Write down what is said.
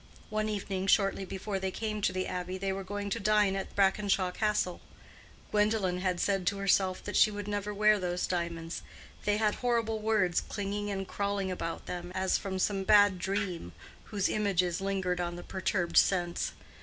One evening, shortly before they came to the Abbey, they were going to dine at Brackenshaw Castle. Gwendolen had said to herself that she would never wear those diamonds: they had horrible words clinging and crawling about them, as from some bad dream, whose images lingered on the perturbed sense.